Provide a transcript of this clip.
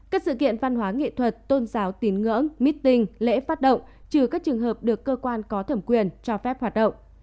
các sự kiện văn hóa nghệ thuật tôn giáo tín ngưỡng meeting lễ phát động trừ các trường hợp được cơ quan có thẩm quyền cho phép hoạt động